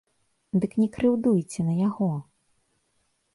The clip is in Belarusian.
Дык не крыўдуйце на яго!